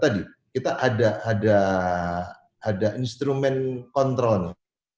tadi kita ada instrumen kontrolnya